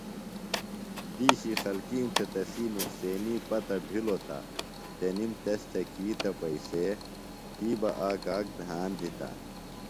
دِیشی خلکِیم تھےۡ تسی نُقصینی پتہ بِھلوۡ تہ تنِم تس تھےۡ کی تہ پئیسے کی بہ آک آک دھان دِتہ۔